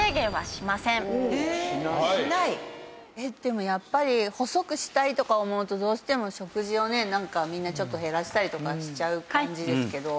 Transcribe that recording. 「しない」でもやっぱり細くしたいとか思うとどうしても食事をねなんかみんなちょっと減らしたりとかしちゃう感じですけど。